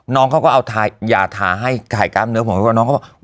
น้องเขาก็เอายาทาให้ถ่ายกล้ามเนื้อผมแล้วก็น้องเขาบอก